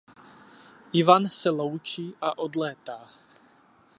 Ivan se loučí a odlétá.